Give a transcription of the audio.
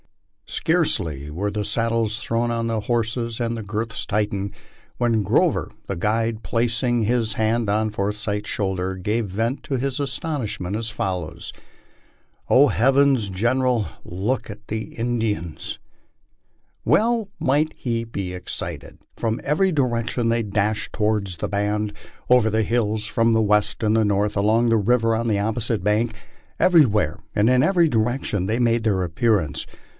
Scarcely were the saddles thrown on the Horses and the girths tightened, when Grover, the guide, placing his hand on Forsyth's shoulder, gave vent to his astonishment as folloAvs :' heavens, General, look at the Indians !" Well might he be excited. From every direc tion they dashed toward the band. Over the hills, from the west and north, along the river, on the opposite bank, everywhere and in every direction they made their appearance.